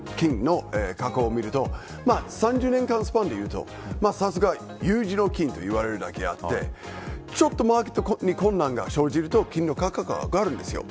それを見ると３０年間スパンでいうと有事の金といわれるだけあってちょっとマーケットに困難が生じると金の価格が上がるんです。